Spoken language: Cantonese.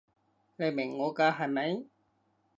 你明我㗎係咪？